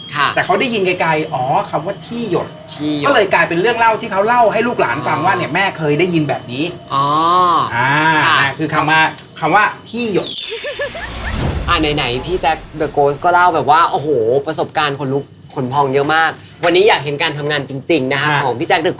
ค่ะแต่เขาได้ยินไกลไกลอ๋อคำว่าที่หยดที่หยดเขาเลยกลายเป็นเรื่องเล่าที่เขาเล่าให้ลูกหลานฟังว่าเนี้ยแม่เคยได้ยินแบบนี้